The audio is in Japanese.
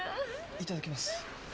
いただきます。